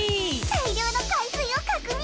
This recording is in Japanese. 大量の海水を確認！